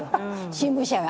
新聞社が。